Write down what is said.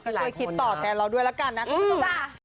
ช่วยคิดต่อแทนเราด้วยละกันนะครับทุกคน